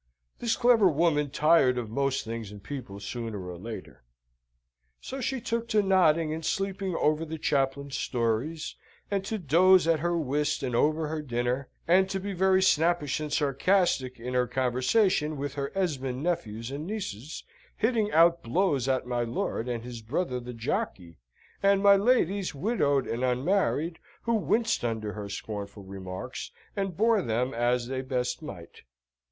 This clever woman tired of most things and people sooner or later. So she took to nodding and sleeping over the chaplain's stories, and to doze at her whist and over her dinner, and to be very snappish and sarcastic in her conversation with her Esmond nephews and nieces, hitting out blows at my lord and his brother the jockey, and my ladies, widowed and unmarried, who winced under her scornful remarks, and bore them as they best might.